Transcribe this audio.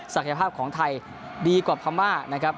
ยภาพของไทยดีกว่าพม่านะครับ